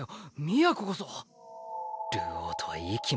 都こそ。